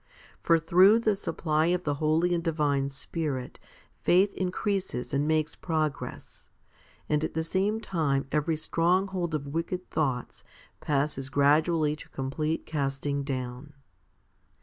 For through the supply of the Holy and Divine Spirit faith increases and makes progress, and at the same time every stronghold of wicked thoughts passes gradually to complete casting down.